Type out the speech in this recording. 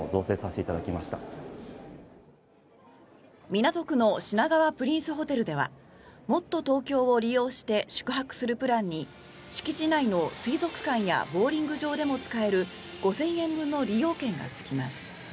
港区の品川プリンスホテルではもっとＴｏｋｙｏを利用して宿泊するプランに敷地内の水族館やボウリング場でも使える５０００円分の利用券がつきます。